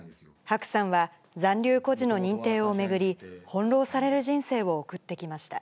白さんは、残留孤児の認定を巡り、翻弄される人生を送ってきました。